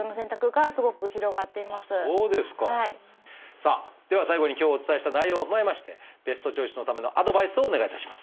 さあでは最後に今日お伝えした内容を踏まえましてベストチョイスのためのアドバイスをお願いいたします。